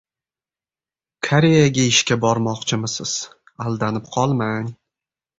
Koreyaga ishga bormoqchimisiz: Aldanib qolmang!